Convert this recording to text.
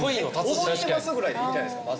「覚えてます？」ぐらいでいいんじゃないですか？